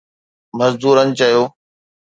مزدورن چيو